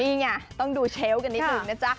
นี่ไงต้องดูเชลล์กันนิดนึงนะจ๊ะ